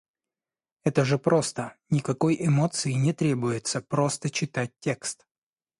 Это же просто, никакой эмоции не требуется, просто читать текст.